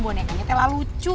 bonekanya telah lucu